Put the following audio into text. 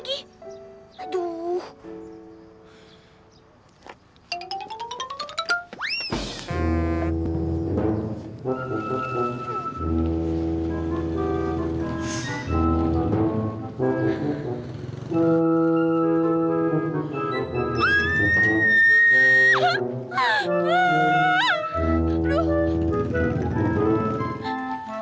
ini something normal ya